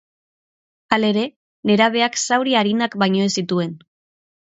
Halere, nerabeak zauri arinak baino ez zituen.